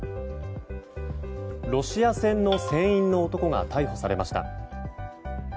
ロシア船の船員の男が逮捕されました。